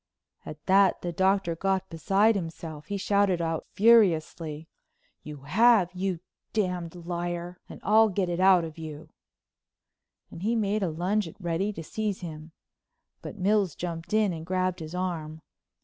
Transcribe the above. At that the Doctor got beside himself. He shouted out furiously: "You have, you d——d liar, and I'll get it out of you," and he made a lunge at Reddy to seize him. But Mills jumped in and grabbed his arm.